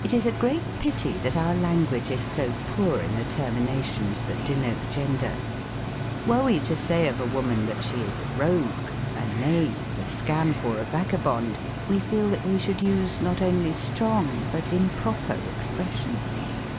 It is a great pity that our language is so poor in the terminations thai denote gender. Were we to say of a 3 94 THE COMIC ENGLISH GRAMMAR. woman that she is a rogue, a knave, a scamp, or a vagabond, we feel that we should use, not only strong but improper expressions.